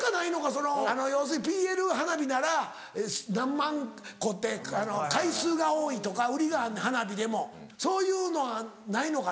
そのあの要するにＰＬ花火なら何万個って回数が多いとか売りがあんねん花火でもそういうのないのか？